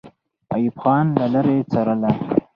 ایوب خان له لرې څارله.